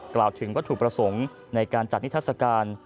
กล่าวถึงวัตถุประสงค์ในการจัดนิทัศกาล